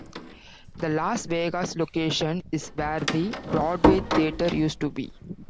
The Las Vegas location is where the Broadway Theatre used to be.